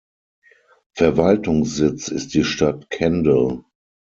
Verwaltungssitz ist die Stadt Kendal.